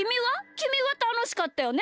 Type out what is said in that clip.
きみはたのしかったよね？